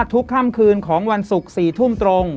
ทุกค่ำคืนของวันศุกร์๔ทุ่มตรง